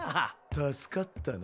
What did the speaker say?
助かったな。